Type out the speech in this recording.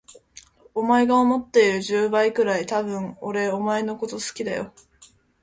お前が思っている十倍くらい、多分俺お前のこと好きだよ。